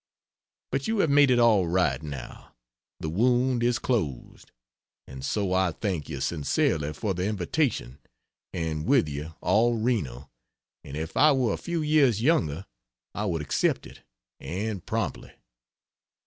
But you have made it all right, now, the wound is closed. And so I thank you sincerely for the invitation; and with you, all Reno, and if I were a few years younger I would accept it, and promptly.